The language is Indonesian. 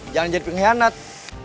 jangan jadi pengkhianat